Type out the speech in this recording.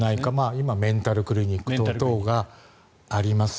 メンタルクリニックなどがあります。